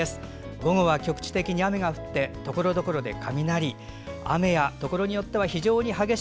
午後は局地的に雨が降ってところどころで雷。